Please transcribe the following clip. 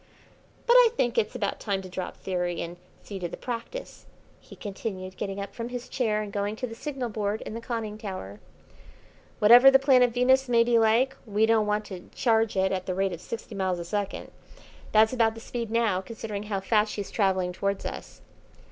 "But I think it's about time to drop theory and see to the practice," he continued, getting up from his chair and going to the signal board in the conning tower. "Whatever the planet Venus may be like, we don't want to charge it at the rate of sixty miles a second. That's about the speed now, considering how fast she's travelling towards us."